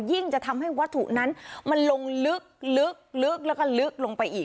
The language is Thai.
จะทำให้วัตถุนั้นมันลงลึกแล้วก็ลึกลงไปอีก